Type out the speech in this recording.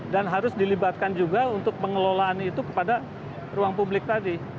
dan harus dilibatkan juga untuk pengelolaan itu kepada ruang publik tadi